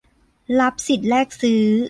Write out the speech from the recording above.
รับสิทธิ์แลกซื้อ